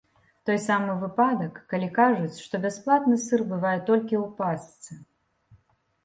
Той самы выпадак, калі кажуць, што бясплатны сыр бывае толькі ў пастцы.